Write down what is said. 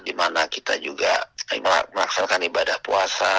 di mana kita juga melaksanakan ibadah puasa